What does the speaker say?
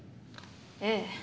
ええ。